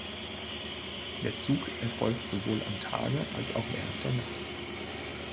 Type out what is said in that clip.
Der Zug erfolgt sowohl am Tage als auch während der Nacht.